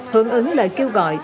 hương ứng lời kêu gọi